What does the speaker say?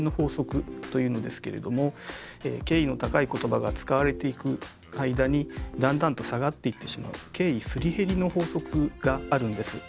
敬意の高い言葉が使われていく間にだんだんと下がっていってしまう「敬意すり減りの法則」があるんです。